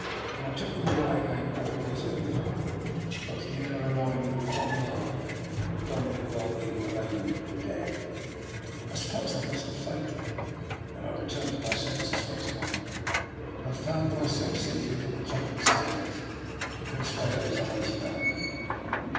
When I took them away again, all was over, and both Nikola and I knew that Quong Ma and Don Miguel de Moreno were dead. I suppose I must have fainted, for when I returned to my senses once more, I found my self seated on the top of the stairs, and Con suelo's arms about me.